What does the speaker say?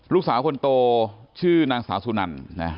ลูกสาวคนโตชื่อนางสาวสุนันนะ